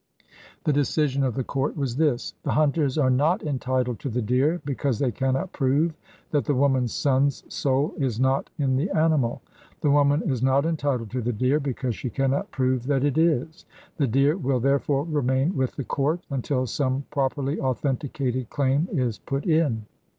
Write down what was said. The decision of the court was this: 'The hunters are not entitled to the deer because they cannot prove that the woman's son's soul is not in the animal. The woman is not entitled to the deer because she cannot prove that it is. The deer will therefore remain with the court until some properly authenticated claim is put in.'